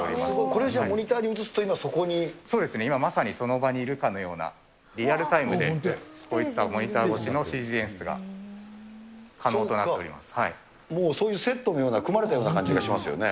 これじゃあ、モニタリングで、今まさにその場にいるかのような、リアルタイムでこういったモニター越しのＣＧ演出が可能ともう、そういうセットのような、組まれたような感じがしますよね。